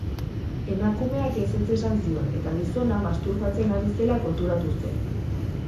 Emakumeak ezetz esan zion eta gizona masturbatzen ari zela konturatu zen.